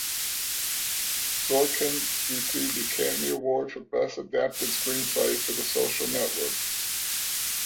Sorkin received the Academy Award for Best Adapted Screenplay for "The Social Network".